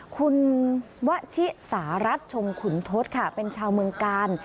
คุณวชิสารัฐชงขุนทศค่ะเป็นชาวเมืองกาล